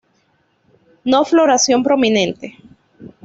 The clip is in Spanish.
No floración prominente.